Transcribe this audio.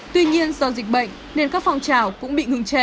tuy nhiên do dịch bệnh nên các phong trào cũng bị ngừng trệ